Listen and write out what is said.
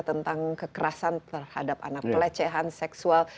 tentang kekerasan terhadap anak pelecehan seksual